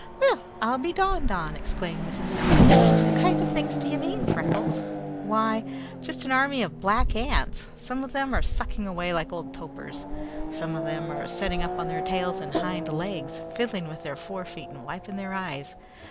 "Weel, I be drawed on!" exclaimed Mrs. Duncan. "What kind of things do ye mean, Freckles?" "Why, just an army of black ants. Some of them are sucking away like old topers. Some of them are setting up on their tails and hind legs, fiddling with their fore feet and wiping their eyes.